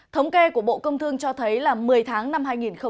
thống kê của bộ công thương cho thấy là một mươi tháng năm hai nghìn một mươi chín